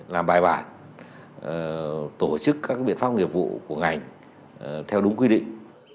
làm bài bản tổ chức các biện pháp nghiệp vụ của ngành theo đúng quy định